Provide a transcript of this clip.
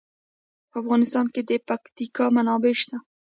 په افغانستان کې د پکتیکا منابع شته.